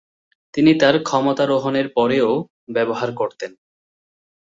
তিনি তার ক্ষমতারোহণের পরও ব্যবহার করতেন।